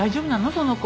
その子。